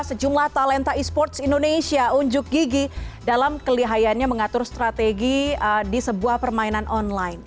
sejumlah talenta e sports indonesia unjuk gigi dalam kelihayanya mengatur strategi di sebuah permainan online